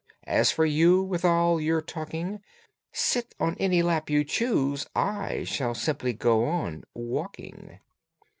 As for you, with all your talking, Sit on any lap you choose. I shall simply go on walking."